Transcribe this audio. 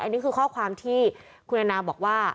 อันนี้คือข้อความที่คุณแอนนาบอกว่า